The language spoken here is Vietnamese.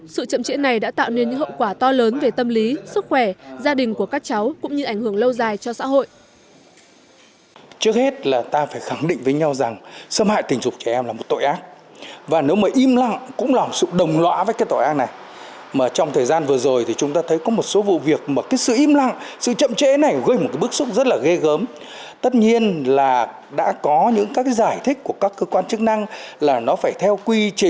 sự chậm trễ này đã tạo nên những hậu quả to lớn về tâm lý sức khỏe gia đình của các cháu cũng như ảnh hưởng lâu dài cho xã hội